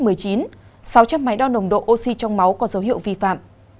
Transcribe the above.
sáu trăm linh máy đo nồng độ oxy trong máu có dấu hiệu vi phạm